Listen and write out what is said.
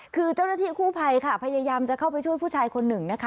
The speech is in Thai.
คือเจ้าหน้าที่กู้ภัยค่ะพยายามจะเข้าไปช่วยผู้ชายคนหนึ่งนะคะ